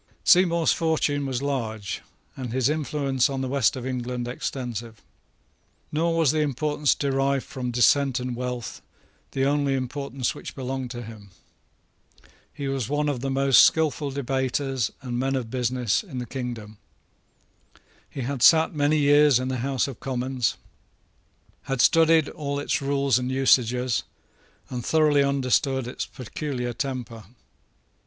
Seymour's fortune was large, and his influence in the West of England extensive. Nor was the importance derived from descent and wealth the only importance which belonged to him. He was one of the most skilful debaters and men of business in the kingdom. He had sate many years in the House of Commons, had studied all its rules and usages, and thoroughly understood its peculiar temper.